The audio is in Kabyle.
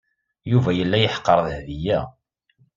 Yuba yella yeḥqer Dahbiya.